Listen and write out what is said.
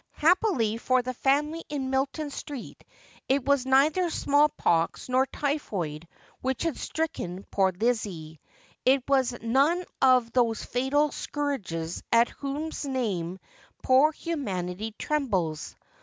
Happily for the family in Milton Street, it was neither small pox nor typhoid which had stricken poor Lizzie. It was none of those fatal scourges at whose name poor humanity trembles.